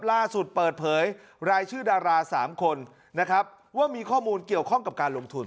ล่าสุดเปิดเผยรายชื่อดารา๓คนนะครับว่ามีข้อมูลเกี่ยวข้องกับการลงทุน